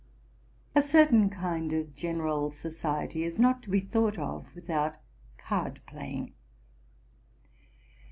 A certain kind of general society is not to be thought of without card playing.